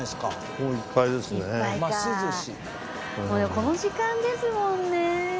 この時間ですもんね。